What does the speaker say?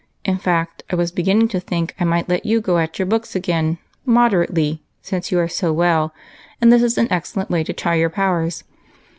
In fact, I was beginning to think I might let you go at your books again, moderately, since you are so well ; and this is an excellent way to try your powers.